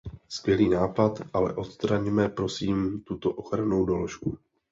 Skvělý nápad, ale odstraňme, prosím, tuto ochranou doložku.